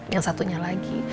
yang satunya lagi